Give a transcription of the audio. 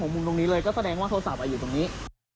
ห่อมูลสังเกตก็แสดงว่าโทรศัพท์อยู่ตรงนี้